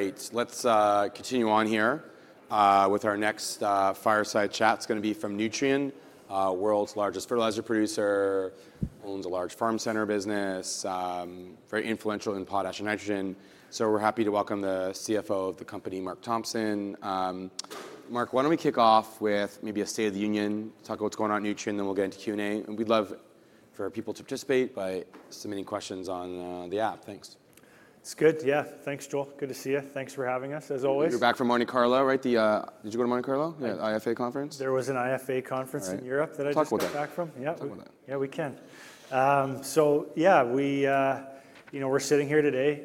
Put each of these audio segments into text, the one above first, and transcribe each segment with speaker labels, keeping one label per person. Speaker 1: All right, let's continue on here with our next fireside chat. It's going to be from Nutrien, the world's largest fertilizer producer, owns a large farm center business, very influential in potash and nitrogen. We're happy to welcome the CFO of the company, Mark Thompson. Mark, why don't we kick off with maybe a State of the Union, talk about what's going on at Nutrien, then we'll get into Q&A. We'd love for people to participate by submitting questions on the app. Thanks.
Speaker 2: It's good. Yeah, thanks, Joel. Good to see you. Thanks for having us, as always.
Speaker 1: You're back from Monte Carlo, right? Did you go to Monte Carlo, the IFA conference?
Speaker 2: There was an IFA conference in Europe that I just got back from.
Speaker 1: Talk about that.
Speaker 2: Yeah, we can. Yeah, we're sitting here today,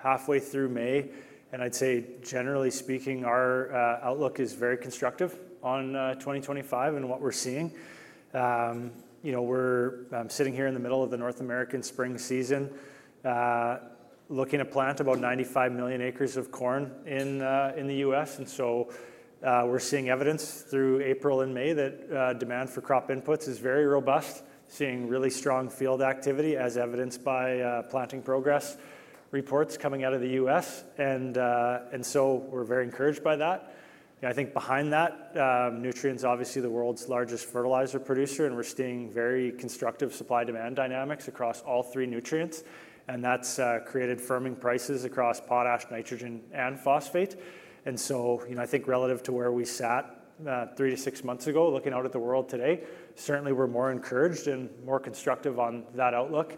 Speaker 2: halfway through May. I'd say, generally speaking, our outlook is very constructive on 2025 and what we're seeing. We're sitting here in the middle of the North American spring season, looking to plant about 95 million acres of corn in the U.S. We're seeing evidence through April and May that demand for crop inputs is very robust, seeing really strong field activity, as evidenced by planting progress reports coming out of the U.S. We're very encouraged by that. I think behind that, Nutrien is obviously the world's largest fertilizer producer, and we're seeing very constructive supply-demand dynamics across all three nutrients. That's created firming prices across potash, nitrogen, and phosphate. I think relative to where we sat three to six months ago, looking out at the world today, certainly we're more encouraged and more constructive on that outlook.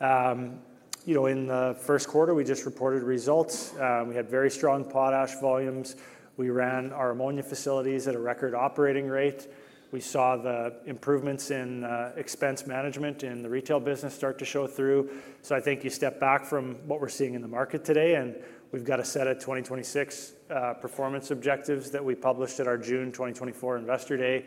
Speaker 2: In the first quarter, we just reported results. We had very strong potash volumes. We ran our ammonia facilities at a record operating rate. We saw the improvements in expense management in the retail business start to show through. I think you step back from what we're seeing in the market today. We've got a set of 2026 performance objectives that we published at our June 2024 Investor Day.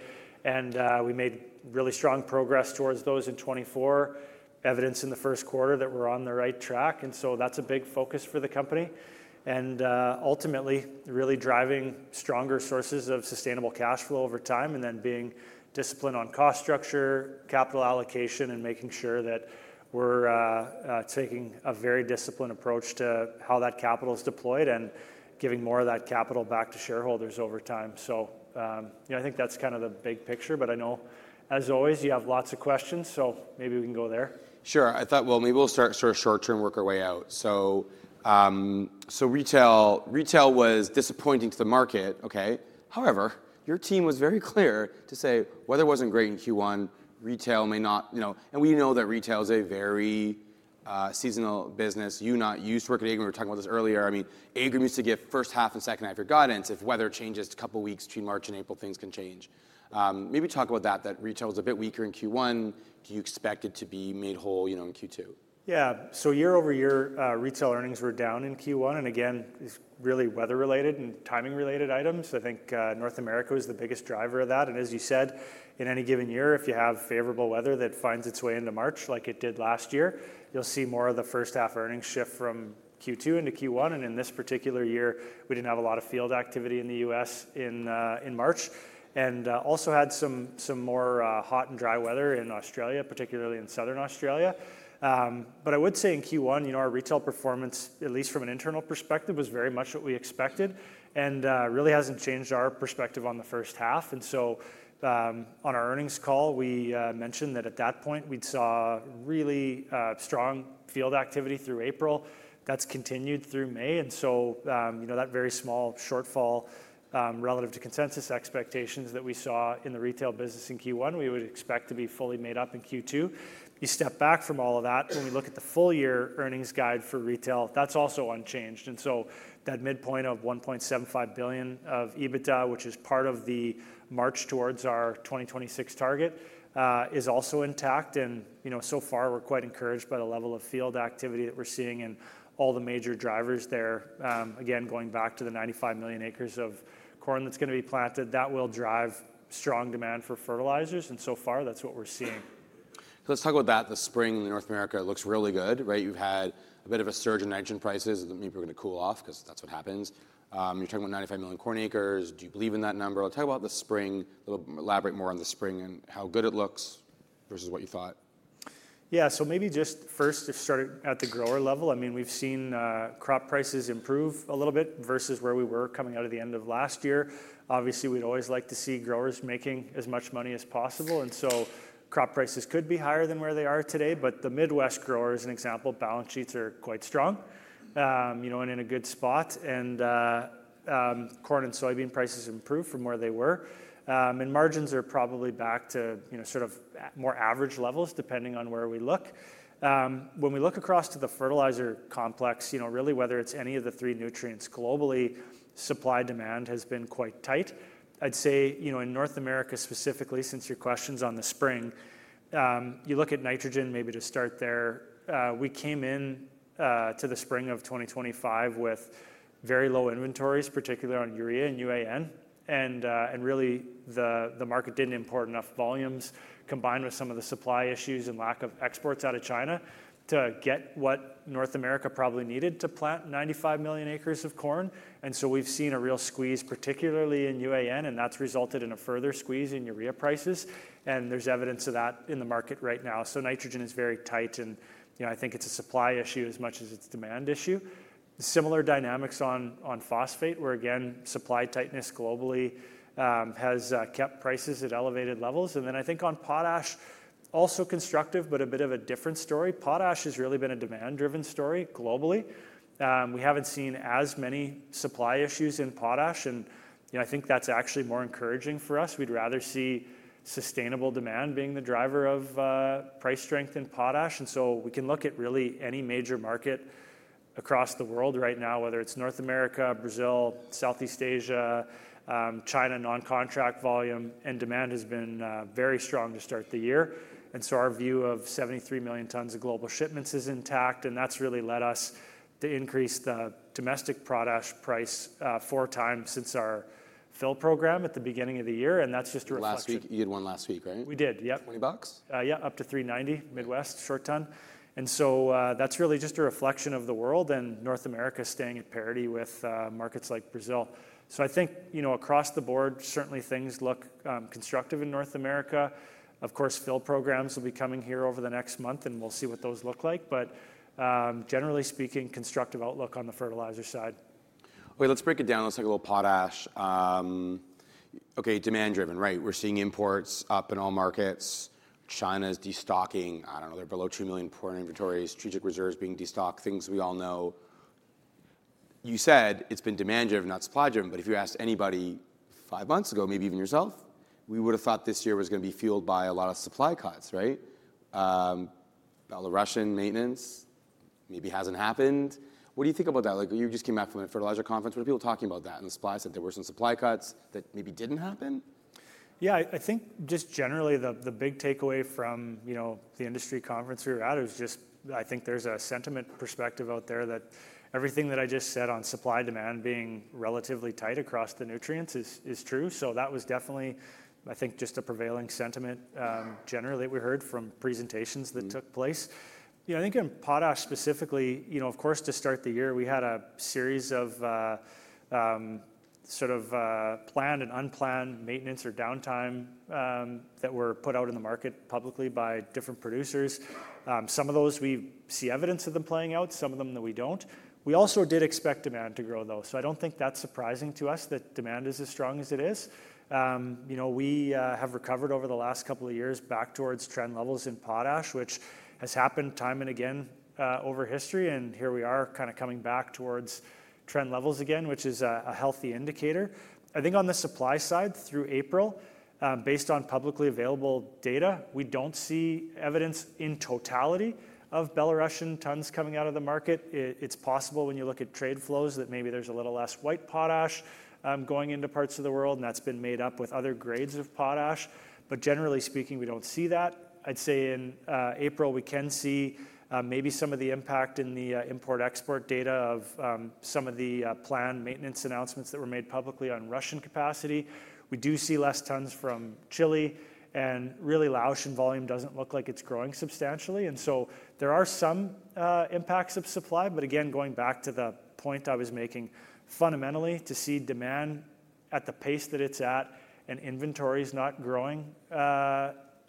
Speaker 2: We made really strong progress towards those in 2024, evidenced in the first quarter that we're on the right track. That's a big focus for the company. Ultimately, really driving stronger sources of sustainable cash flow over time, and then being disciplined on cost structure, capital allocation, and making sure that we're taking a very disciplined approach to how that capital is deployed and giving more of that capital back to shareholders over time. I think that's kind of the big picture. I know, as always, you have lots of questions, so maybe we can go there.
Speaker 1: Sure. I thought, maybe we will start sort of short-term and work our way out. Retail was disappointing to the market, OK? However, your team was very clear to say weather was not great in Q1. Retail may not, and we know that retail is a very seasonal business. You used to work at Agri; we were talking about this earlier. I mean, Agri needs to get first half and second half your guidance. If weather changes a couple of weeks between March and April, things can change. Maybe talk about that, that retail is a bit weaker in Q1. Do you expect it to be made whole in Q2?
Speaker 2: Yeah. Year over year, retail earnings were down in Q1. Again, it's really weather-related and timing-related items. I think North America was the biggest driver of that. As you said, in any given year, if you have favorable weather that finds its way into March, like it did last year, you'll see more of the first half earnings shift from Q2 into Q1. In this particular year, we did not have a lot of field activity in the U.S. in March. We also had some more hot and dry weather in Australia, particularly in southern Australia. I would say in Q1, our retail performance, at least from an internal perspective, was very much what we expected and really has not changed our perspective on the first half. On our earnings call, we mentioned that at that point, we saw really strong field activity through April. That's continued through May. That very small shortfall relative to consensus expectations that we saw in the retail business in Q1, we would expect to be fully made up in Q2. You step back from all of that, and we look at the full year earnings guide for retail, that's also unchanged. That midpoint of $1.75 billion of EBITDA, which is part of the march towards our 2026 target, is also intact. So far, we're quite encouraged by the level of field activity that we're seeing and all the major drivers there. Again, going back to the 95 million acres of corn that's going to be planted, that will drive strong demand for fertilizers. So far, that's what we're seeing.
Speaker 1: Let's talk about that. The spring in North America looks really good, right? You've had a bit of a surge in nitrogen prices. Maybe we're going to cool off because that's what happens. You're talking about 95 million corn acres. Do you believe in that number? Talk about the spring, elaborate more on the spring and how good it looks versus what you thought.
Speaker 2: Yeah. Maybe just first, to start at the grower level, I mean, we've seen crop prices improve a little bit versus where we were coming out of the end of last year. Obviously, we'd always like to see growers making as much money as possible. Crop prices could be higher than where they are today. The Midwest Growers, as an example, balance sheets are quite strong and in a good spot. Corn and soybean prices improved from where they were. Margins are probably back to sort of more average levels, depending on where we look. When we look across to the fertilizer complex, really, whether it's any of the three nutrients globally, supply demand has been quite tight. I'd say in North America specifically, since your question's on the spring, you look at nitrogen, maybe to start there. We came into the spring of 2025 with very low inventories, particularly on urea and UAN. The market did not import enough volumes, combined with some of the supply issues and lack of exports out of China, to get what North America probably needed to plant 95 million acres of corn. We have seen a real squeeze, particularly in UAN, and that has resulted in a further squeeze in urea prices. There is evidence of that in the market right now. Nitrogen is very tight. I think it is a supply issue as much as it is a demand issue. Similar dynamics on phosphate, where, again, supply tightness globally has kept prices at elevated levels. I think on potash, also constructive, but a bit of a different story. Potash has really been a demand-driven story globally. We have not seen as many supply issues in potash. I think that's actually more encouraging for us. We'd rather see sustainable demand being the driver of price strength in potash. We can look at really any major market across the world right now, whether it's North America, Brazil, Southeast Asia, China, non-contract volume, and demand has been very strong to start the year. Our view of 73 million tons of global shipments is intact. That's really led us to increase the domestic potash price four times since our fill program at the beginning of the year. That's just a reflection.
Speaker 1: Last week, you did one last week, right?
Speaker 2: We did, yep.
Speaker 1: 20 bucks?
Speaker 2: Yeah, up to $390, Midwest, short ton. That is really just a reflection of the world and North America staying at parity with markets like Brazil. I think across the board, certainly things look constructive in North America. Of course, fill programs will be coming here over the next month, and we will see what those look like. Generally speaking, constructive outlook on the fertilizer side.
Speaker 1: Okay, let's break it down. Let's talk a little potash. Okay, demand-driven, right? We're seeing imports up in all markets. China is destocking. I don't know, they're below 2 million corn inventories, strategic reserves being destocked, things we all know. You said it's been demand-driven, not supply-driven. If you asked anybody five months ago, maybe even yourself, we would have thought this year was going to be fueled by a lot of supply cuts, right? Belarusian maintenance maybe hasn't happened. What do you think about that? You just came back from a fertilizer conference. What are people talking about that? The supply side, there were some supply cuts that maybe didn't happen?
Speaker 2: Yeah, I think just generally, the big takeaway from the industry conference we were at is just I think there's a sentiment perspective out there that everything that I just said on supply-demand being relatively tight across the nutrients is true. That was definitely, I think, just a prevailing sentiment generally that we heard from presentations that took place. I think in potash specifically, of course, to start the year, we had a series of sort of planned and unplanned maintenance or downtime that were put out in the market publicly by different producers. Some of those, we see evidence of them playing out. Some of them that we do not. We also did expect demand to grow, though. I do not think that's surprising to us that demand is as strong as it is. We have recovered over the last couple of years back towards trend levels in potash, which has happened time and again over history. Here we are kind of coming back towards trend levels again, which is a healthy indicator. I think on the supply side, through April, based on publicly available data, we do not see evidence in totality of Belarusian tons coming out of the market. It is possible when you look at trade flows that maybe there is a little less white potash going into parts of the world, and that has been made up with other grades of potash. Generally speaking, we do not see that. I would say in April, we can see maybe some of the impact in the import-export data of some of the planned maintenance announcements that were made publicly on Russian capacity. We do see less tons from Chile. Laotian volume does not look like it is growing substantially. There are some impacts of supply. Again, going back to the point I was making, fundamentally, to see demand at the pace that it is at and inventories not growing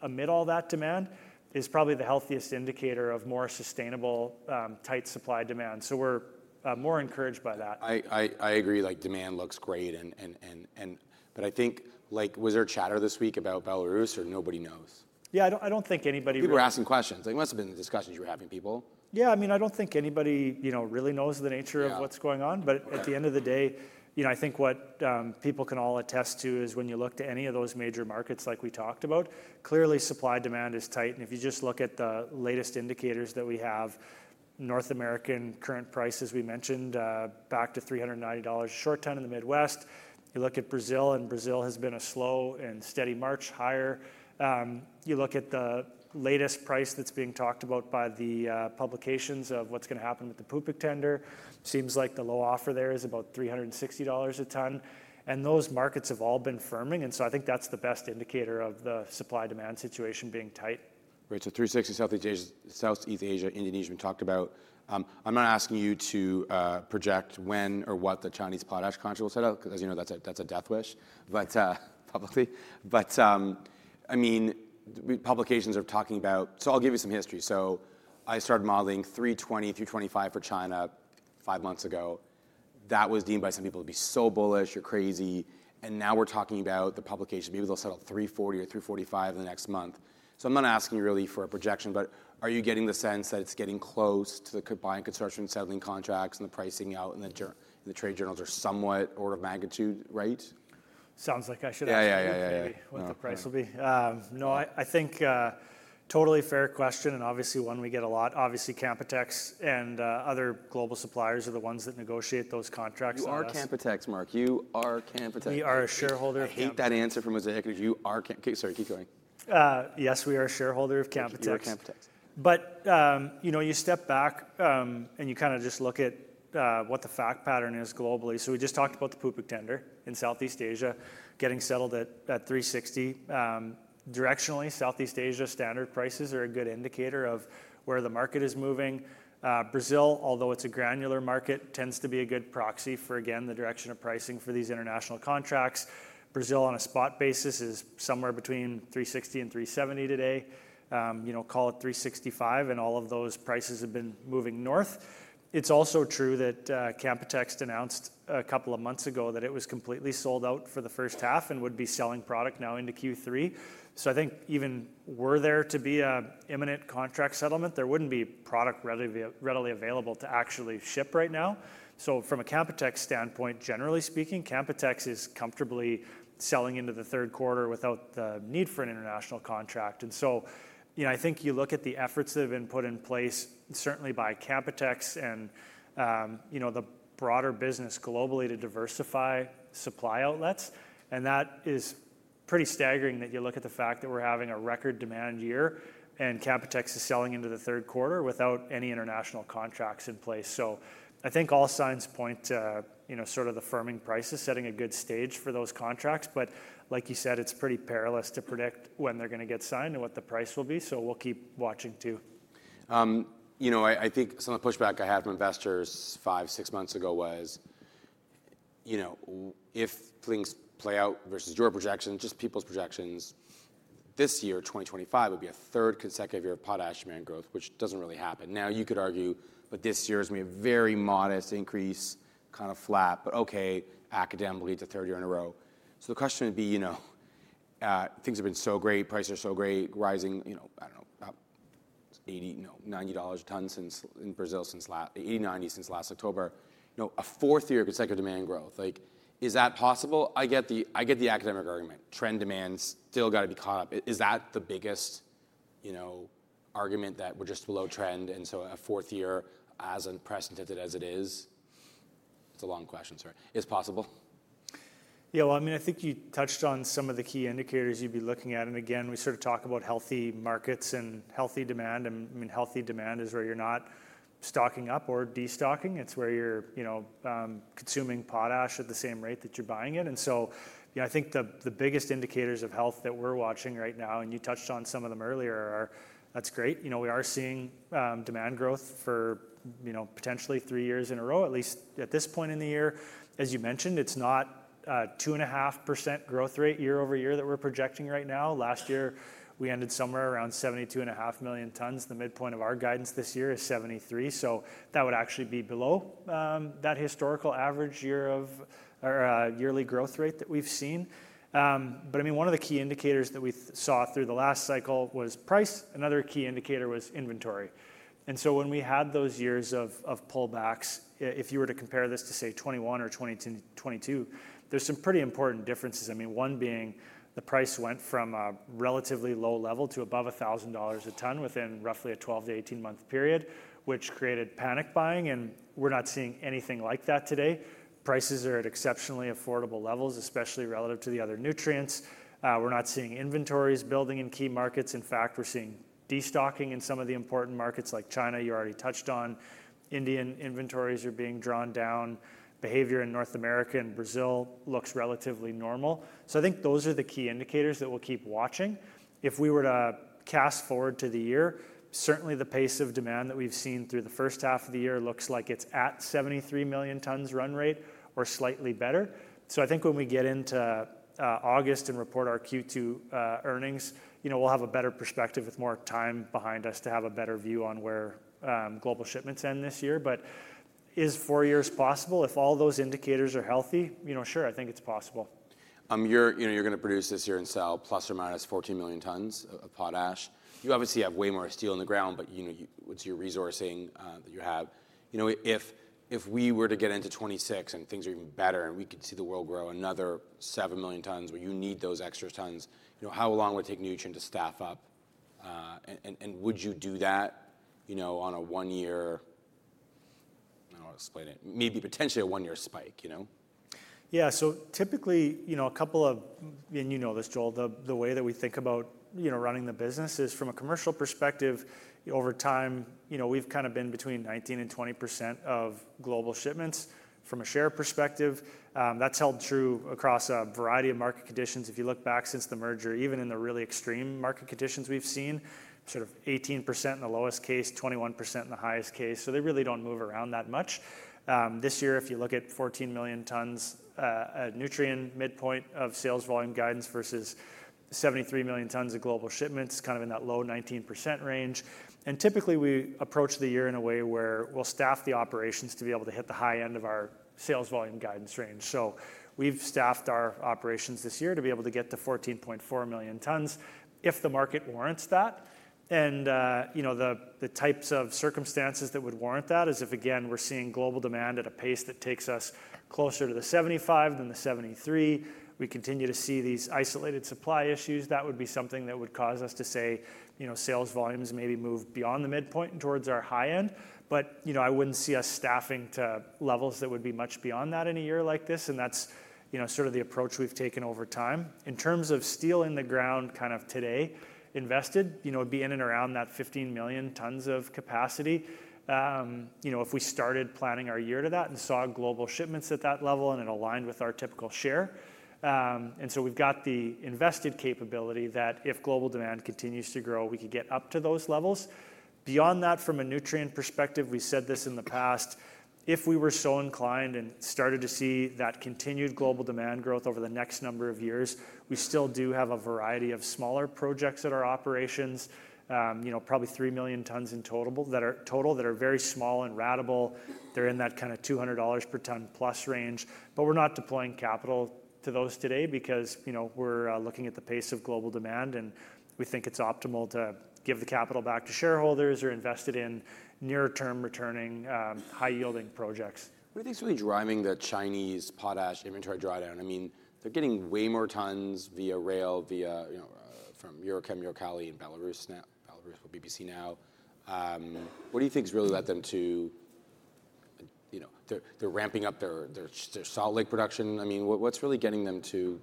Speaker 2: amid all that demand is probably the healthiest indicator of more sustainable, tight supply-demand. We are more encouraged by that.
Speaker 1: I agree. Demand looks great. I think, was there chatter this week about Belarus, or nobody knows?
Speaker 2: Yeah, I don't think anybody.
Speaker 1: People were asking questions. It must have been the discussions you were having, people.
Speaker 2: Yeah. I mean, I do not think anybody really knows the nature of what is going on. But at the end of the day, I think what people can all attest to is when you look to any of those major markets like we talked about, clearly supply-demand is tight. And if you just look at the latest indicators that we have, North American current prices, we mentioned back to $390 short ton in the Midwest. You look at Brazil, and Brazil has been a slow and steady march higher. You look at the latest price that is being talked about by the publications of what is going to happen with the Pupuk tender, seems like the low offer there is about $360 a ton. And those markets have all been firming. And so I think that is the best indicator of the supply-demand situation being tight.
Speaker 1: Right. 360 Southeast Asia, Indonesia, we talked about. I'm not asking you to project when or what the Chinese potash contract will set out, because as you know, that's a death wish, but I mean, publications are talking about. I'll give you some history. I started modeling $320-$325 for China five months ago. That was deemed by some people to be so bullish, you're crazy. Now we're talking about the publication, maybe they'll settle $340-$345 in the next month. I'm not asking you really for a projection, but are you getting the sense that it's getting close to the buying construction, settling contracts, and the pricing out in the trade journals are somewhat order of magnitude right?
Speaker 2: Sounds like I should ask you what the price will be. No, I think totally fair question. Obviously, one we get a lot. Obviously, Canpotex and other global suppliers are the ones that negotiate those contracts.
Speaker 1: You are Canpotex, Mark. You are Canpotex.
Speaker 2: We are a shareholder.
Speaker 1: I hate that answer from Mosaic Company. You are Canpotex. Sorry, keep going.
Speaker 2: Yes, we are a shareholder of Canpotex.
Speaker 1: You are Canpotex.
Speaker 2: You step back and you kind of just look at what the fact pattern is globally. We just talked about the Pupuk tender in Southeast Asia getting settled at $360. Directionally, Southeast Asia standard prices are a good indicator of where the market is moving. Brazil, although it is a granular market, tends to be a good proxy for, again, the direction of pricing for these international contracts. Brazil, on a spot basis, is somewhere between $360-$370 today. Call it $365, and all of those prices have been moving north. It is also true that Canpotex announced a couple of months ago that it was completely sold out for the first half and would be selling product now into Q3. I think even were there to be an imminent contract settlement, there would not be product readily available to actually ship right now. From a Canpotex standpoint, generally speaking, Canpotex is comfortably selling into the third quarter without the need for an international contract. I think you look at the efforts that have been put in place, certainly by Canpotex and the broader business globally to diversify supply outlets. That is pretty staggering that you look at the fact that we are having a record demand year and Canpotex is selling into the third quarter without any international contracts in place. I think all signs point to sort of the firming prices, setting a good stage for those contracts. Like you said, it is pretty perilous to predict when they are going to get signed and what the price will be. We will keep watching too.
Speaker 1: I think some of the pushback I had from investors five, six months ago was if things play out versus your projections, just people's projections, this year, 2025, would be a third consecutive year of potash demand growth, which does not really happen. Now, you could argue that this year is going to be a very modest increase, kind of flat, but okay, academically, it is a third year in a row. The question would be, things have been so great, prices are so great, rising, I do not know, $80-$90 a ton in Brazil since last, $80-$90 since last October, a fourth year of consecutive demand growth. Is that possible? I get the academic argument. Trend demand still has to be caught up. Is that the biggest argument, that we are just below trend? A fourth year, as unprecedented as it is, it is a long question, sir. Is it possible?
Speaker 2: Yeah, I mean, I think you touched on some of the key indicators you'd be looking at. Again, we sort of talk about healthy markets and healthy demand. I mean, healthy demand is where you're not stocking up or destocking. It's where you're consuming potash at the same rate that you're buying it. I think the biggest indicators of health that we're watching right now, and you touched on some of them earlier, are that's great. We are seeing demand growth for potentially three years in a row, at least at this point in the year. As you mentioned, it's not a 2.5% growth rate year-ove- year that we're projecting right now. Last year, we ended somewhere around 72.5 million tons. The midpoint of our guidance this year is 73. That would actually be below that historical average year of yearly growth rate that we've seen. I mean, one of the key indicators that we saw through the last cycle was price. Another key indicator was inventory. When we had those years of pullbacks, if you were to compare this to, say, 21 or 22, there are some pretty important differences. I mean, one being the price went from a relatively low level to above $1,000 a ton within roughly a 12 to 18-month period, which created panic buying. We're not seeing anything like that today. Prices are at exceptionally affordable levels, especially relative to the other nutrients. We're not seeing inventories building in key markets. In fact, we're seeing destocking in some of the important markets like China, you already touched on. Indian inventories are being drawn down. Behavior in North America and Brazil looks relatively normal. I think those are the key indicators that we'll keep watching. If we were to cast forward to the year, certainly the pace of demand that we've seen through the first half of the year looks like it's at 73 million tons run rate or slightly better. I think when we get into August and report our Q2 earnings, we'll have a better perspective with more time behind us to have a better view on where global shipments end this year. Is four years possible? If all those indicators are healthy, sure, I think it's possible.
Speaker 1: You're going to produce this year and sell plus or minus 14 million tons of potash. You obviously have way more steel in the ground, but it's your resourcing that you have. If we were to get into 2026 and things are even better and we could see the world grow another 7 million tons where you need those extra tons, how long would it take Nutrien to staff up? And would you do that on a one-year, I don't know how to explain it, maybe potentially a one-year spike?
Speaker 2: Yeah. So typically, a couple of, and you know this, Joel, the way that we think about running the business is from a commercial perspective. Over time, we've kind of been between 19% and 20% of global shipments from a share perspective. That's held true across a variety of market conditions. If you look back since the merger, even in the really extreme market conditions we've seen, sort of 18% in the lowest case, 21% in the highest case. They really do not move around that much. This year, if you look at 14 million tons of Nutrien midpoint of sales volume guidance versus 73 million tons of global shipments, kind of in that low 19% range. Typically, we approach the year in a way where we'll staff the operations to be able to hit the high end of our sales volume guidance range. We have staffed our operations this year to be able to get to 14.4 million tons if the market warrants that. The types of circumstances that would warrant that is if, again, we are seeing global demand at a pace that takes us closer to the 75 than the 73. We continue to see these isolated supply issues. That would be something that would cause us to say sales volumes maybe move beyond the midpoint and towards our high end. I would not see us staffing to levels that would be much beyond that in a year like this. That is sort of the approach we have taken over time. In terms of steel in the ground kind of today invested, it would be in and around that 15 million tons of capacity if we started planning our year to that and saw global shipments at that level and it aligned with our typical share. We have the invested capability that if global demand continues to grow, we could get up to those levels. Beyond that, from a Nutrien perspective, we said this in the past, if we were so inclined and started to see that continued global demand growth over the next number of years, we still do have a variety of smaller projects at our operations, probably 3 million tons in total that are very small and ratable. They are in that kind of $200 per ton plus range. We are not deploying capital to those today because we are looking at the pace of global demand, and we think it is optimal to give the capital back to shareholders or invest it in near-term returning, high-yielding projects.
Speaker 1: What do you think's really driving the Chinese potash inventory drawdown? I mean, they're getting way more tons via rail, via from Uralkali, and Belarus. Belarus will be BC now. What do you think's really led them to? They're ramping up their salt lake production. I mean, what's really getting them to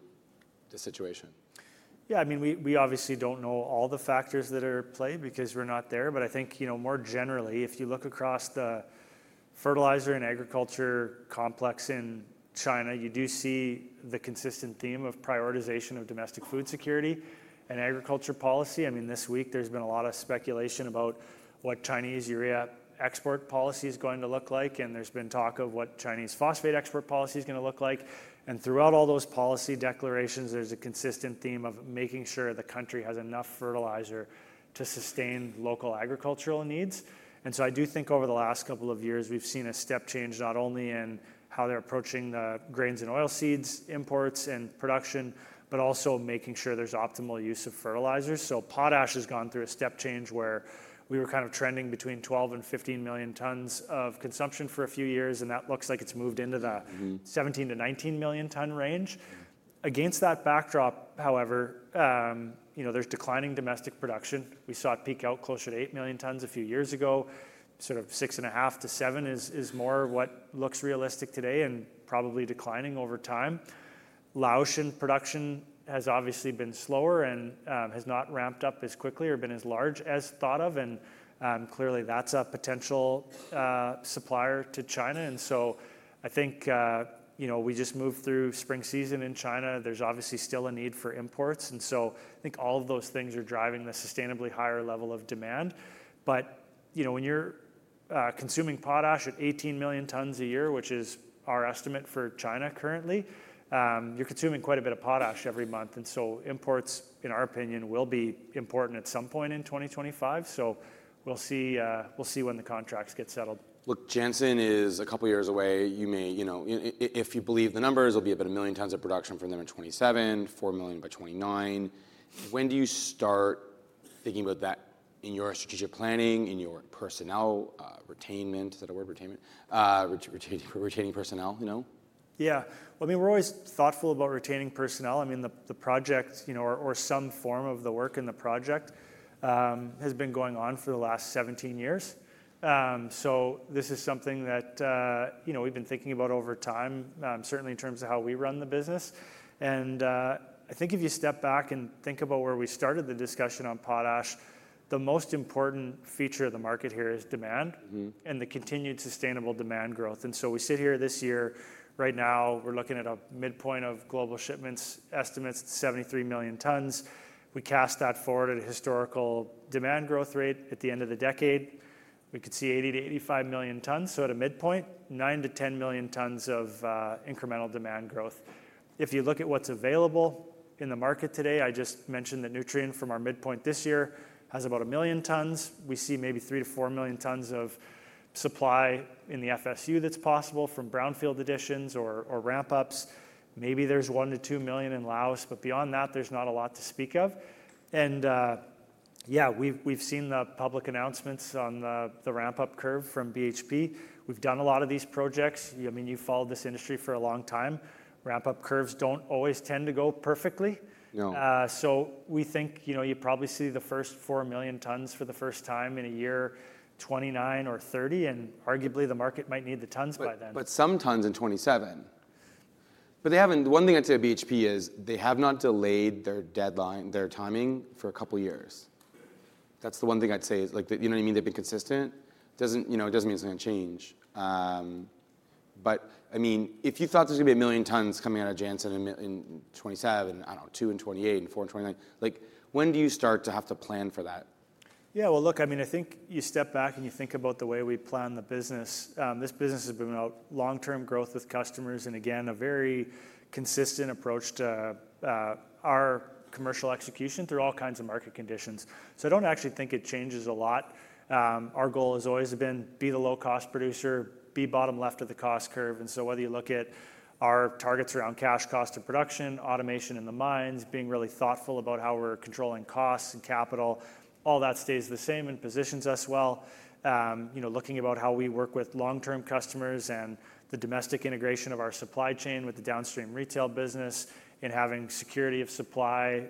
Speaker 1: the situation?
Speaker 2: Yeah. I mean, we obviously do not know all the factors that are at play because we are not there. I think more generally, if you look across the fertilizer and agriculture complex in China, you do see the consistent theme of prioritization of domestic food security and agriculture policy. I mean, this week, there has been a lot of speculation about what Chinese urea export policy is going to look like. There has been talk of what Chinese phosphate export policy is going to look like. Throughout all those policy declarations, there is a consistent theme of making sure the country has enough fertilizer to sustain local agricultural needs. I do think over the last couple of years, we have seen a step change not only in how they are approaching the grains and oilseeds imports and production, but also making sure there is optimal use of fertilizers. Potash has gone through a step change where we were kind of trending between 12 and 15 million tons of consumption for a few years, and that looks like it's moved into the 17-19 million ton range. Against that backdrop, however, there's declining domestic production. We saw it peak out closer to 8 million tons a few years ago. Sort of 6.5-7 is more of what looks realistic today and probably declining over time. Laotian production has obviously been slower and has not ramped up as quickly or been as large as thought of. Clearly, that's a potential supplier to China. I think we just moved through spring season in China. There's obviously still a need for imports. I think all of those things are driving the sustainably higher level of demand. When you're consuming potash at 18 million tons a year, which is our estimate for China currently, you're consuming quite a bit of potash every month. Imports, in our opinion, will be important at some point in 2025. We'll see when the contracts get settled.
Speaker 1: Look, Jansen is a couple of years away. If you believe the numbers, it'll be about 1 million tons of production from there in 2027, 4 million by 2029. When do you start thinking about that in your strategic planning, in your personnel retainment? Is that a word, retainment? Retaining personnel, you know?
Speaker 2: Yeah. I mean, we're always thoughtful about retaining personnel. I mean, the project or some form of the work in the project has been going on for the last 17 years. This is something that we've been thinking about over time, certainly in terms of how we run the business. I think if you step back and think about where we started the discussion on potash, the most important feature of the market here is demand and the continued sustainable demand growth. We sit here this year. Right now, we're looking at a midpoint of global shipments estimates to 73 million tons. We cast that forward at a historical demand growth rate at the end of the decade. We could see 80-85 million tons. At a midpoint, 9-10 million tons of incremental demand growth. If you look at what's available in the market today, I just mentioned that Nutrien from our midpoint this year has about 1 million tons. We see maybe 3-4 million tons of supply in the FSU that's possible from brownfield additions or ramp-ups. Maybe there's 1-2 million in Laos, but beyond that, there's not a lot to speak of. Yeah, we've seen the public announcements on the ramp-up curve from BHP. We've done a lot of these projects. I mean, you've followed this industry for a long time. Ramp-up curves do not always tend to go perfectly. We think you probably see the first 4 million tons for the first time in the year '29 or '30, and arguably the market might need the tons by then.
Speaker 1: Some tons in '27. One thing I'd say of BHP is they have not delayed their timing for a couple of years. That's the one thing I'd say. You know what I mean? They've been consistent. It doesn't mean it's going to change. I mean, if you thought there's going to be a million tons coming out of Jansen in 27, I don't know, 2 in 2028 and 4 in 2029, when do you start to have to plan for that?
Speaker 2: Yeah. Look, I mean, I think you step back and you think about the way we plan the business. This business has been about long-term growth with customers and, again, a very consistent approach to our commercial execution through all kinds of market conditions. I do not actually think it changes a lot. Our goal has always been be the low-cost producer, be bottom left of the cost curve. Whether you look at our targets around cash cost of production, automation in the mines, being really thoughtful about how we are controlling costs and capital, all that stays the same and positions us well. Looking at how we work with long-term customers and the domestic integration of our supply chain with the downstream retail business and having security of supply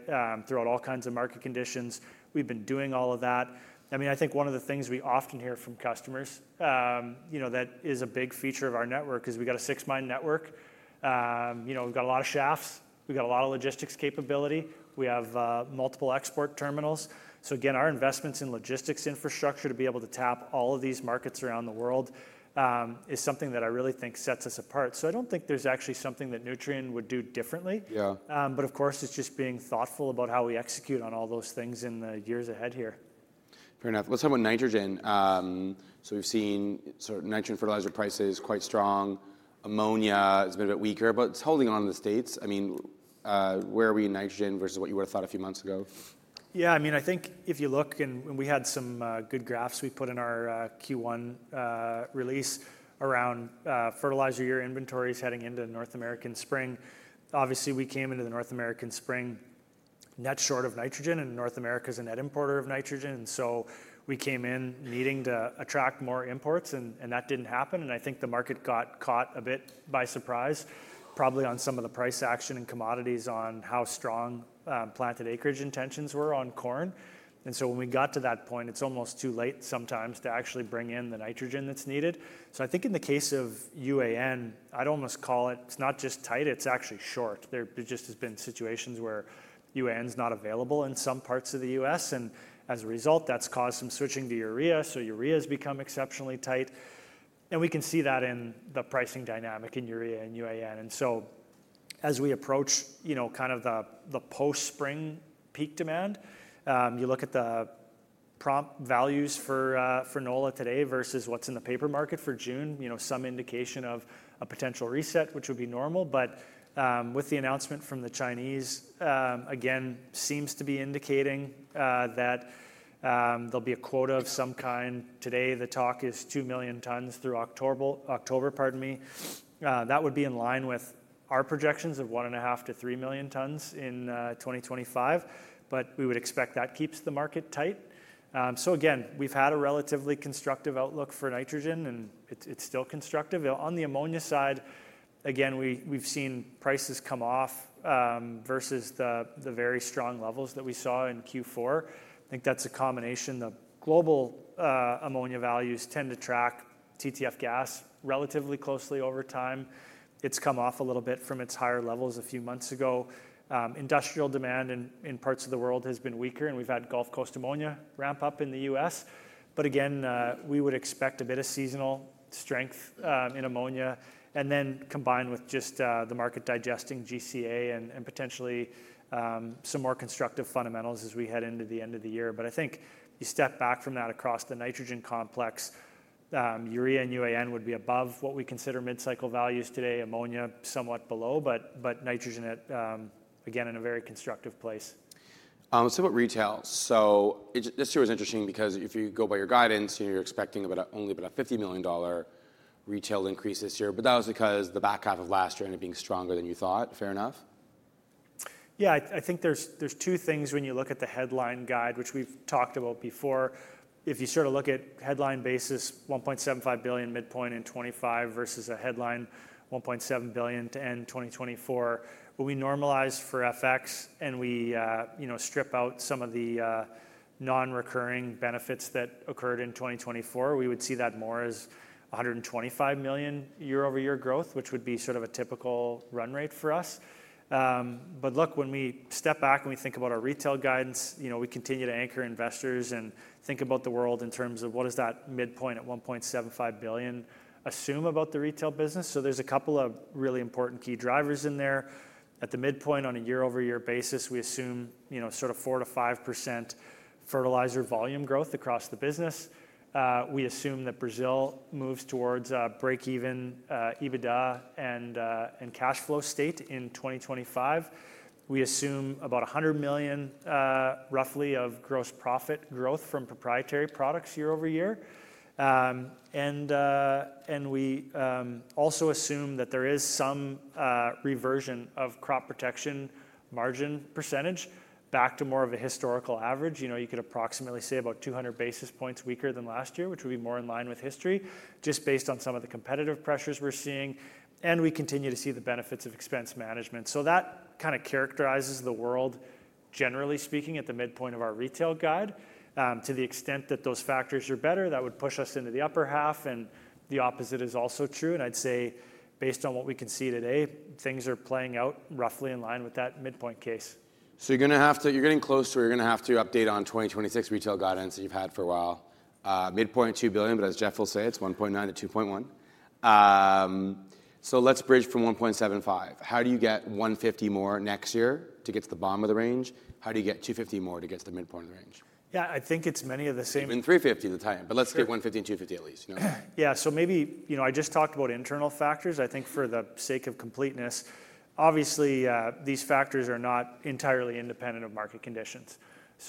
Speaker 2: throughout all kinds of market conditions, we have been doing all of that. I mean, I think one of the things we often hear from customers that is a big feature of our network is we've got a six-mine network. We've got a lot of shafts. We've got a lot of logistics capability. We have multiple export terminals. Again, our investments in logistics infrastructure to be able to tap all of these markets around the world is something that I really think sets us apart. I don't think there's actually something that Nutrien would do differently. Of course, it's just being thoughtful about how we execute on all those things in the years ahead here.
Speaker 1: Fair enough. Let's talk about nitrogen. So we've seen nitrogen fertilizer prices quite strong. Ammonia has been a bit weaker, but it's holding on in the States. I mean, where are we in nitrogen versus what you would have thought a few months ago?
Speaker 2: Yeah. I mean, I think if you look, and we had some good graphs we put in our Q1 release around fertilizer year inventories heading into North American spring. Obviously, we came into the North American spring net short of nitrogen, and North America is a net importer of nitrogen. We came in needing to attract more imports, and that did not happen. I think the market got caught a bit by surprise, probably on some of the price action and commodities on how strong planted acreage intentions were on corn. When we got to that point, it is almost too late sometimes to actually bring in the nitrogen that is needed. I think in the case of UAN, I would almost call it, it is not just tight, it is actually short. There just have been situations where UAN is not available in some parts of the U.S. As a result, that's caused some switching to urea. Urea has become exceptionally tight. We can see that in the pricing dynamic in urea and UAN. As we approach kind of the post-spring peak demand, you look at the prompt values for NOLA today versus what's in the paper market for June, some indication of a potential reset, which would be normal. With the announcement from the Chinese, again, seems to be indicating that there'll be a quota of some kind. Today, the talk is 2 million tons through October, pardon me. That would be in line with our projections of 1.5-3 million tons in 2025. We would expect that keeps the market tight. We've had a relatively constructive outlook for nitrogen, and it's still constructive. On the ammonia side, again, we've seen prices come off versus the very strong levels that we saw in Q4. I think that's a combination. The global ammonia values tend to track TTF gas relatively closely over time. It's come off a little bit from its higher levels a few months ago. Industrial demand in parts of the world has been weaker, and we've had Gulf Coast ammonia ramp up in the U.S. Again, we would expect a bit of seasonal strength in ammonia, and then combined with just the market digesting GCA and potentially some more constructive fundamentals as we head into the end of the year. I think you step back from that across the nitrogen complex, urea and UAN would be above what we consider mid-cycle values today, ammonia somewhat below, but nitrogen, again, in a very constructive place.
Speaker 1: Let's talk about retail. This year was interesting because if you go by your guidance, you're expecting only about a $50 million retail increase this year. That was because the back half of last year ended up being stronger than you thought. Fair enough?
Speaker 2: Yeah. I think there's two things when you look at the headline guide, which we've talked about before. If you sort of look at headline basis, $1.75 billion midpoint in 2025 versus a headline $1.7 billion to end 2024. When we normalize for FX and we strip out some of the non-recurring benefits that occurred in 2024, we would see that more as $125 million year-over-year growth, which would be sort of a typical run rate for us. But look, when we step back and we think about our retail guidance, we continue to anchor investors and think about the world in terms of what does that midpoint at $1.75 billion assume about the retail business. So there's a couple of really important key drivers in there. At the midpoint, on a year-over-year basis, we assume sort of 4-5% fertilizer volume growth across the business. We assume that Brazil moves towards a break-even EBITDA and cash flow state in 2025. We assume about $100 million, roughly, of gross profit growth from proprietary products year-over-year. We also assume that there is some reversion of crop protection margin percentage back to more of a historical average. You could approximately say about 200 basis points weaker than last year, which would be more in line with history, just based on some of the competitive pressures we are seeing. We continue to see the benefits of expense management. That kind of characterizes the world, generally speaking, at the midpoint of our retail guide. To the extent that those factors are better, that would push us into the upper half. The opposite is also true. I would say, based on what we can see today, things are playing out roughly in line with that midpoint case.
Speaker 1: You're going to have to, you're getting close to where you're going to have to update on 2026 retail guidance that you've had for a while. Midpoint $2 billion, but as Jeff will say, it's $1.9-$2.1. Let's bridge from $1.75 billion. How do you get $150 million more next year to get to the bottom of the range? How do you get $250 million more to get to the midpoint of the range?
Speaker 2: Yeah, I think it's many of the same.
Speaker 1: It's been 350 the time, but let's get 150 and 250 at least.
Speaker 2: Yeah. Maybe I just talked about internal factors. I think for the sake of completeness, obviously, these factors are not entirely independent of market conditions.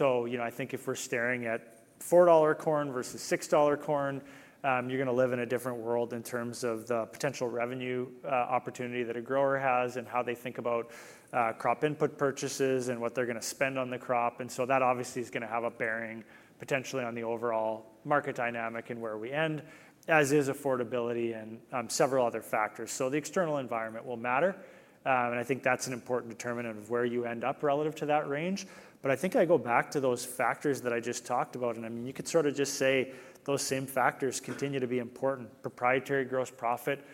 Speaker 2: I think if we're staring at $4 corn versus $6 corn, you're going to live in a different world in terms of the potential revenue opportunity that a grower has and how they think about crop input purchases and what they're going to spend on the crop. That obviously is going to have a bearing potentially on the overall market dynamic and where we end, as is affordability and several other factors. The external environment will matter. I think that's an important determinant of where you end up relative to that range. I think I go back to those factors that I just talked about. I mean, you could sort of just say those same factors continue to be important. Proprietary gross profit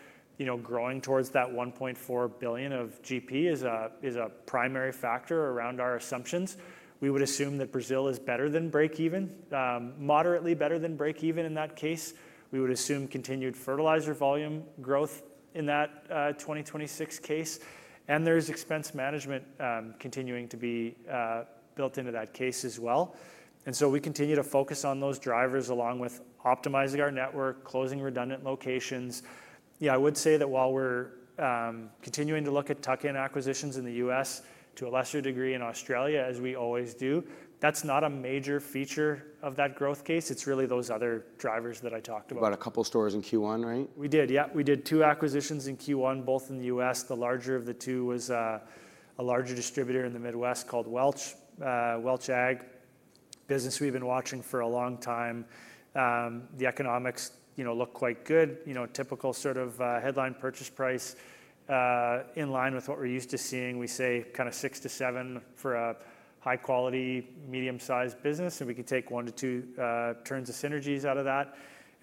Speaker 2: growing towards that $1.4 billion of GP is a primary factor around our assumptions. We would assume that Brazil is better than break-even, moderately better than break-even in that case. We would assume continued fertilizer volume growth in that 2026 case. There is expense management continuing to be built into that case as well. We continue to focus on those drivers along with optimizing our network, closing redundant locations. Yeah, I would say that while we're continuing to look at tuck-in acquisitions in the US to a lesser degree in Australia, as we always do, that's not a major feature of that growth case. It's really those other drivers that I talked about.
Speaker 1: You bought a couple of stores in Q1, right?
Speaker 2: We did. Yeah. We did two acquisitions in Q1, both in the U.S. The larger of the two was a larger distributor in the Midwest called Welch Ag, business we've been watching for a long time. The economics look quite good. Typical sort of headline purchase price in line with what we're used to seeing. We say kind of 6-7 for a high-quality, medium-sized business. We could take one to two turns of synergies out of that.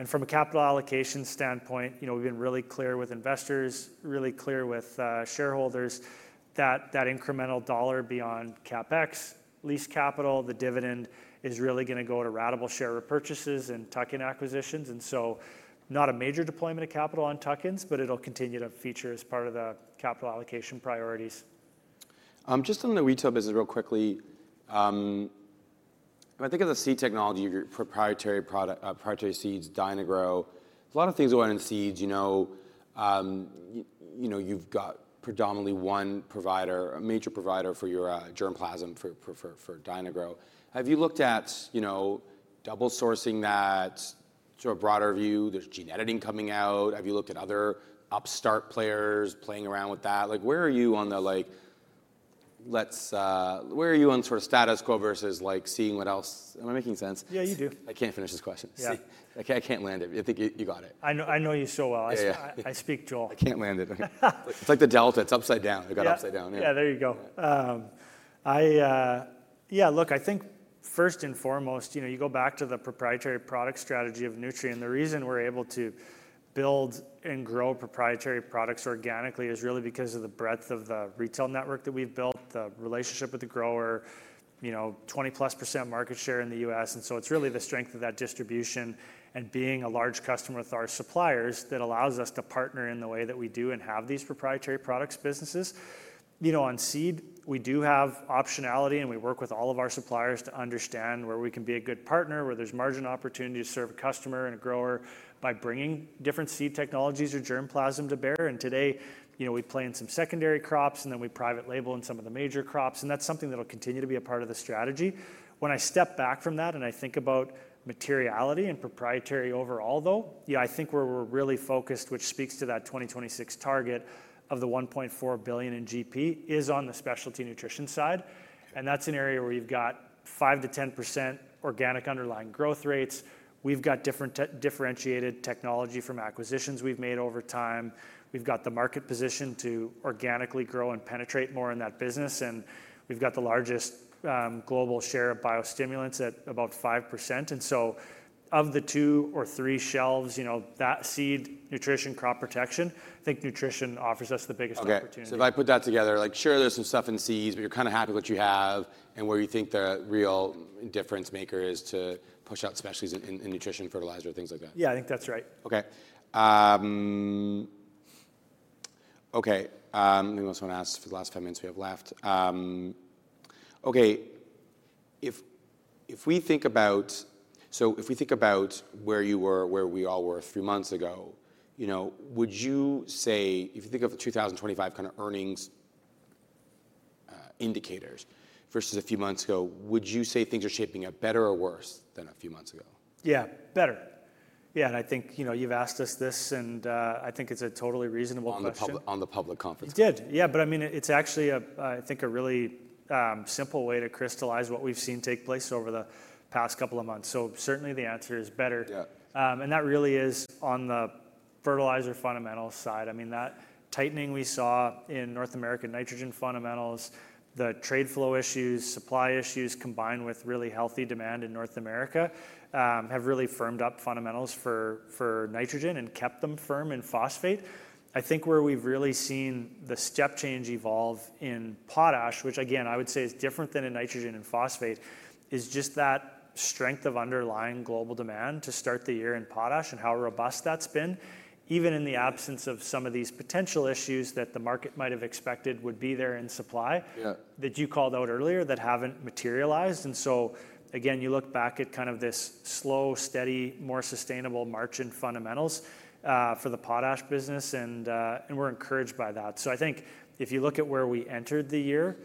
Speaker 2: From a capital allocation standpoint, we've been really clear with investors, really clear with shareholders that that incremental dollar beyond CapEx, lease capital, the dividend is really going to go to ratable share of purchases and tuck-in acquisitions. Not a major deployment of capital on tuck-ins, but it'll continue to feature as part of the capital allocation priorities.
Speaker 1: Just on the retail business real quickly, if I think of the seed technology, proprietary seeds, DynaGrow, a lot of things go in seeds. You've got predominantly one provider, a major provider for your germplasm for DynaGrow. Have you looked at double sourcing that to a broader view? There's gene editing coming out. Have you looked at other upstart players playing around with that? Where are you on the, where are you on sort of status quo versus seeing what else? Am I making sense?
Speaker 2: Yeah, you do.
Speaker 1: I can't finish this question. I can't land it. I think you got it.
Speaker 2: I know you so well. I speak Joel.
Speaker 1: I can't land it. It's like the delta. It's upside down. I got upside down.
Speaker 2: Yeah, there you go. Yeah, look, I think first and foremost, you go back to the proprietary product strategy of Nutrien. The reason we're able to build and grow proprietary products organically is really because of the breadth of the retail network that we've built, the relationship with the grower, 20+% market share in the U.S. It's really the strength of that distribution and being a large customer with our suppliers that allows us to partner in the way that we do and have these proprietary products businesses. On seed, we do have optionality, and we work with all of our suppliers to understand where we can be a good partner, where there's margin opportunity to serve a customer and a grower by bringing different seed technologies or germplasm to bear. Today, we play in some secondary crops, and then we private label in some of the major crops. That is something that will continue to be a part of the strategy. When I step back from that and I think about materiality and proprietary overall, though, I think where we are really focused, which speaks to that 2026 target of the $1.4 billion in GP, is on the specialty nutrition side. That is an area where you have got 5%-10% organic underlying growth rates. We have got differentiated technology from acquisitions we have made over time. We have got the market position to organically grow and penetrate more in that business. We have got the largest global share of biostimulants at about 5%. Of the two or three shelves, that seed, nutrition, crop protection, I think nutrition offers us the biggest opportunity.
Speaker 1: If I put that together, sure, there's some stuff in seeds, but you're kind of happy with what you have and where you think the real difference maker is to push out specialties in nutrition, fertilizer, things like that.
Speaker 2: Yeah, I think that's right.
Speaker 1: Okay. Okay. Let me ask for the last five minutes we have left. Okay. If we think about, so if we think about where you were, where we all were a few months ago, would you say, if you think of the 2025 kind of earnings indicators versus a few months ago, would you say things are shaping up better or worse than a few months ago?
Speaker 2: Yeah, better. Yeah. I think you've asked us this, and I think it's a totally reasonable question.
Speaker 1: On the public conference.
Speaker 2: It did. Yeah. I mean, it's actually, I think, a really simple way to crystallize what we've seen take place over the past couple of months. Certainly the answer is better. That really is on the fertilizer fundamental side. I mean, that tightening we saw in North American nitrogen fundamentals, the trade flow issues, supply issues, combined with really healthy demand in North America, have really firmed up fundamentals for nitrogen and kept them firm in phosphate. I think where we've really seen the step change evolve in potash, which again, I would say is different than in nitrogen and phosphate, is just that strength of underlying global demand to start the year in potash and how robust that's been, even in the absence of some of these potential issues that the market might have expected would be there in supply that you called out earlier that have not materialized. You look back at kind of this slow, steady, more sustainable margin fundamentals for the potash business, and we're encouraged by that. I think if you look at where we entered the year,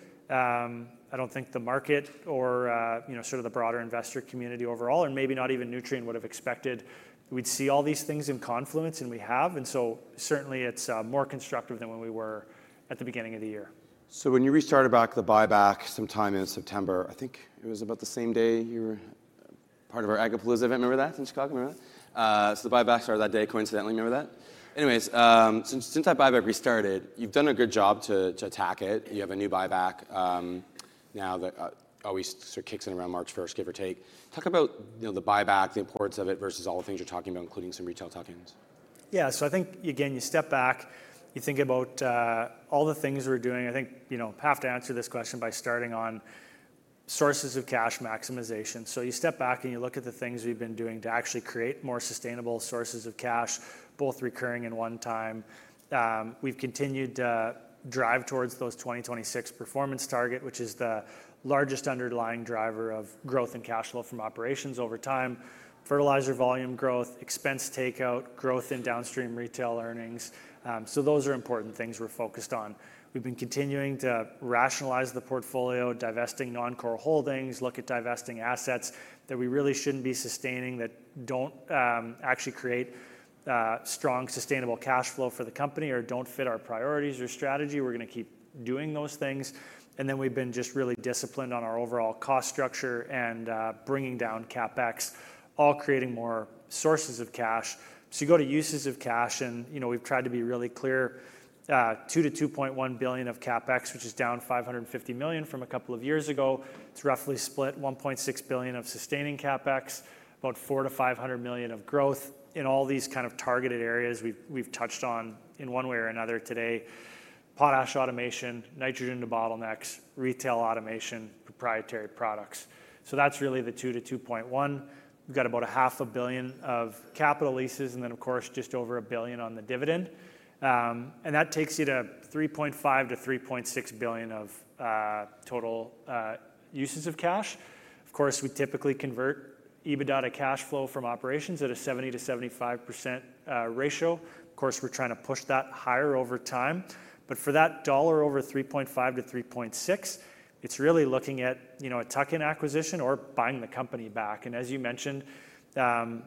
Speaker 2: I do not think the market or sort of the broader investor community overall, and maybe not even Nutrien would have expected, we'd see all these things in confluence, and we have. Certainly it is more constructive than when we were at the beginning of the year.
Speaker 1: When you restarted back the buyback sometime in September, I think it was about the same day you were part of our Agapalooza event. Remember that in Chicago? Remember that? The buyback started that day, coincidentally. Remember that? Anyways, since that buyback restarted, you've done a good job to attack it. You have a new buyback now that always kicks in around March 1, give or take. Talk about the buyback, the importance of it versus all the things you're talking about, including some retail tokens.
Speaker 2: Yeah. I think, again, you step back, you think about all the things we're doing. I think I have to answer this question by starting on sources of cash maximization. You step back and you look at the things we've been doing to actually create more sustainable sources of cash, both recurring and one-time. We've continued to drive towards those 2026 performance target, which is the largest underlying driver of growth in cash flow from operations over time, fertilizer volume growth, expense takeout, growth in downstream retail earnings. Those are important things we're focused on. We've been continuing to rationalize the portfolio, divesting non-core holdings, look at divesting assets that we really shouldn't be sustaining that do not actually create strong sustainable cash flow for the company or do not fit our priorities or strategy. We're going to keep doing those things. We have been just really disciplined on our overall cost structure and bringing down CapEx, all creating more sources of cash. You go to uses of cash, and we have tried to be really clear. $2 billion-$2.1 billion of CapEx, which is down $550 million from a couple of years ago. It is roughly split $1.6 billion of sustaining CapEx, about $400 million-$500 million of growth in all these kind of targeted areas we have touched on in one way or another today. Potash automation, nitrogen debottlenecks, retail automation, proprietary products. That is really the $2 billion-$2.1 billion. We have about $500 million of capital leases and then, of course, just over $1 billion on the dividend. That takes you to $3.5 billion-$3.6 billion of total uses of cash. Of course, we typically convert EBITDA to cash flow from operations at a 70%-75% ratio. Of course, we're trying to push that higher over time. For that dollar over $3.5-$3.6, it's really looking at a tuck-in acquisition or buying the company back. As you mentioned, the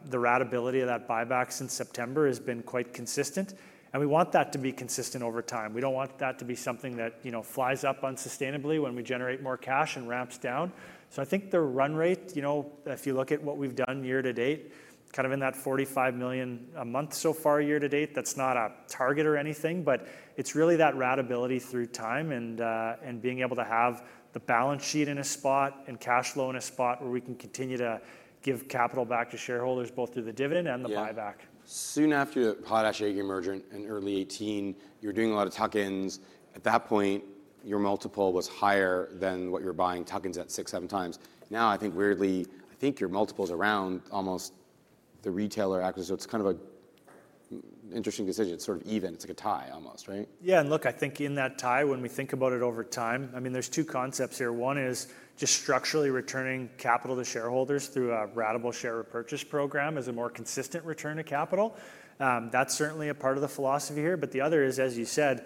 Speaker 2: ratability of that buyback since September has been quite consistent. We want that to be consistent over time. We do not want that to be something that flies up unsustainably when we generate more cash and ramps down. I think the run rate, if you look at what we've done year to date, kind of in that $45 million a month so far year to date, that's not a target or anything, but it's really that ratability through time and being able to have the balance sheet in a spot and cash flow in a spot where we can continue to give capital back to shareholders both through the dividend and the buyback.
Speaker 1: Soon after Potash Age emerged in early 2018, you're doing a lot of tuck-ins. At that point, your multiple was higher than what you're buying tuck-ins at, six, seven times. Now, I think weirdly, I think your multiple is around almost the retailer acquisition. So it's kind of an interesting decision. It's sort of even. It's like a tie almost, right?
Speaker 2: Yeah. Look, I think in that tie, when we think about it over time, I mean, there are two concepts here. One is just structurally returning capital to shareholders through a ratable share of purchase program as a more consistent return to capital. That is certainly a part of the philosophy here. The other is, as you said,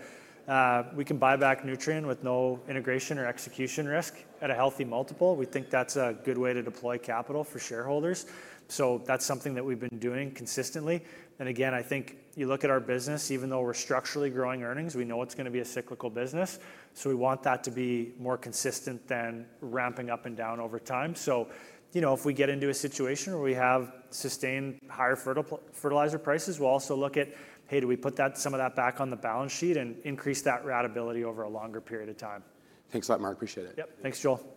Speaker 2: we can buy back Nutrien with no integration or execution risk at a healthy multiple. We think that is a good way to deploy capital for shareholders. That is something that we have been doing consistently. Again, I think you look at our business, even though we are structurally growing earnings, we know it is going to be a cyclical business. We want that to be more consistent than ramping up and down over time. If we get into a situation where we have sustained higher fertilizer prices, we'll also look at, hey, do we put some of that back on the balance sheet and increase that ratability over a longer period of time?
Speaker 1: Thanks a lot, Mark. Appreciate it.
Speaker 2: Yep. Thanks, Joel.